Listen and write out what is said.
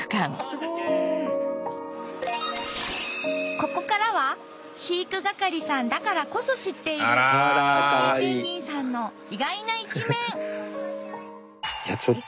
ここからは飼育係さんだからこそ知っているコウテイペンギンさんの意外な一面